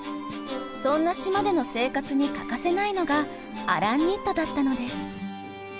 そんな島での生活に欠かせないのがアランニットだったのです。